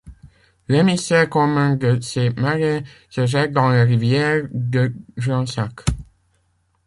L'émissaire commun de ces marais se jette dans la Rivière de Gensac.